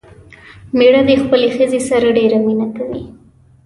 مېړه دې خپلې ښځې سره ډېره مينه کوي